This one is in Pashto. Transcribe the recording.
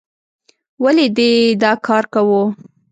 ولې دې دا کار کوو؟